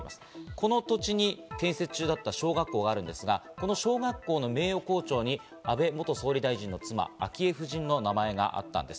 この土地に建設中だった小学校があるんですが、この小学校の名誉校長に安倍元総理大臣の妻・昭恵夫人の名前があったんです。